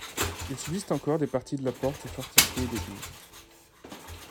Il subsiste encore des parties de la porte fortifiée et des douves.